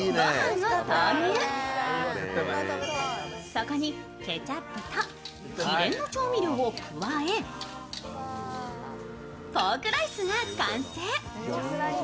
そこにケチャップと秘伝の調味料を加え、ポークライスが完成。